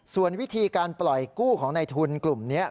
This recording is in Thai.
ส่วนวิธีการปล่อยกู้ของในทุนกลุ่มนี้